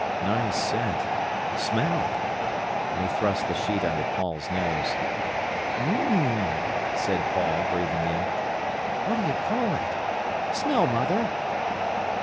"Nice scent! Smell." And he thrust the sheet under Paul's nose. "Um!" said Paul, breathing in. "What d'you call it? Smell, mother."